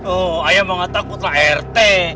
oh ayah banget takut lah rt